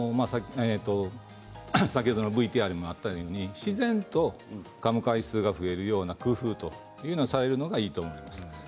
先ほどのＶＴＲにもあったように自然とかむ回数が増えるような工夫をされるのがいいと思います。